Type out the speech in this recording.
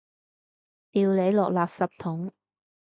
掉你落垃圾桶！